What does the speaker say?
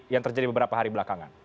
yang terjadi beberapa hari belakangan